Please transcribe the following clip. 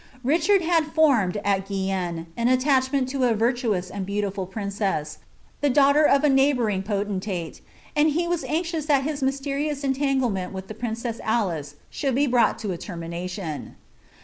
Richard had formed, at Guicnne,* an attach it to a virtuous and beautiful princess, the daughter of a neighbouring ito, and he was anxious that his mysterinus eulanglement with the a Alice shoulrl be brought to a termination.